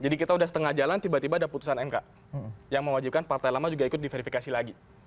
jadi kita udah setengah jalan tiba tiba ada putusan mk yang mewajibkan partai lama juga ikut diverifikasi lagi